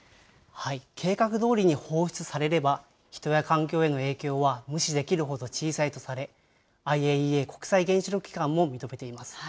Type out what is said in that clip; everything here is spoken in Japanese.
計画どおりに放出されれば、人や環境への影響は無視できるほど小さいとされ、ＩＡＥＡ・国際原子力機関も認めています。